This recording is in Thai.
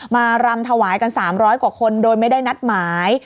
รำถวายกัน๓๐๐กว่าคนโดยไม่ได้นัดหมาย